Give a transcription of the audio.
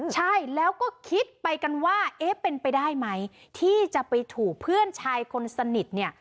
ใช่แล้วก็คิดไปกันว่าเอ๊ะเป็นไปได้ไหมที่จะไปถูกเพื่อนชายคนสนิทเนี่ย